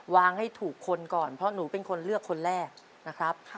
ให้ถูกคนก่อนเพราะหนูเป็นคนเลือกคนแรกนะครับ